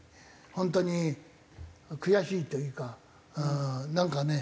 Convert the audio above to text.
本当に悔しいというかなんかね